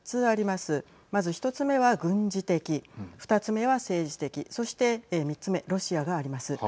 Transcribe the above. まず１つ目は軍事的２つ目は政治的、そして３つ目、ロシアがあります。